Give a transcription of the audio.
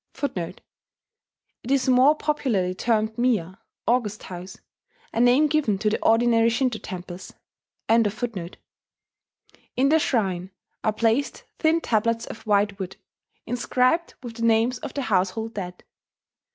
[*It is more popularly termed miya, "august house," a name given to the ordinary Shinto temples.] In the shrine are placed thin tablets of white wood, inscribed with the names of the household dead.